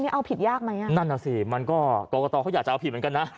นี่เอาผิดยากไหมอ่ะนั่นน่ะสิมันก็กรกตเขาอยากจะเอาผิดเหมือนกันนะ